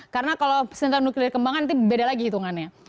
karena kalau senjata nuklir kembangkan itu beda lagi hitungannya